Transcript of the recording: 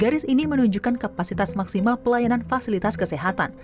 garis ini menunjukkan kapasitas maksimal pelayanan fasilitas kesehatan